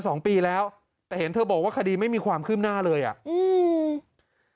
สองปีแล้วที่ไม่มีความคืมหน้าเลยอ่ะ